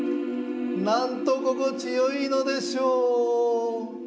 なんとここちよいのでしょう！